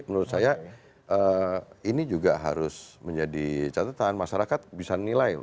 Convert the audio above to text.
menurut saya ini juga harus menjadi catatan masyarakat bisa nilai